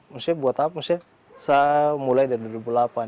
maksudnya buat apa maksudnya mulai dari dua ribu delapan